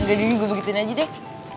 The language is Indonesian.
nggak tidur gue begituin aja deh